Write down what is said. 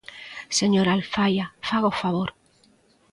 Señora Alfaia, faga o favor.